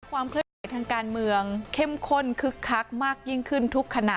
ความเคลื่อนไหวทางการเมืองเข้มข้นคึกคักมากยิ่งขึ้นทุกขณะ